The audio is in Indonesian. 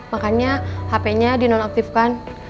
makanya hp nya dinonaktifkan